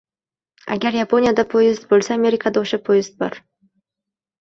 agar Yaponiyada poyezd bo‘lsa, Amerikada o‘sha poyezd bor